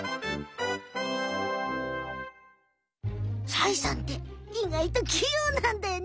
サイさんって意外ときようなんだよね！